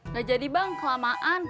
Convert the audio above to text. gak jadi bang kelamaan